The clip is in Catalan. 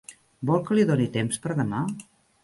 Vol que li doni temps per demà?